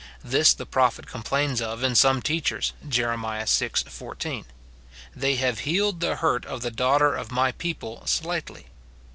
This the prophet complains of in some teachers : Jer. vi. 14, " They have healed the hurt of the daughter of my people slightly."